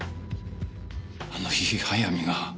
あの日早見が。